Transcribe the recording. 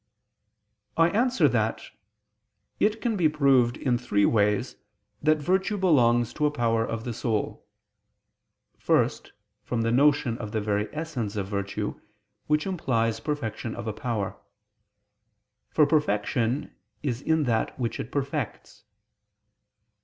I answer that, It can be proved in three ways that virtue belongs to a power of the soul. First, from the notion of the very essence of virtue, which implies perfection of a power; for perfection is in that which it perfects.